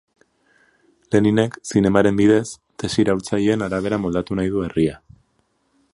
Leninek, zinemaren bidez, tesi iraultzaileen arabera moldatu nahi du herria.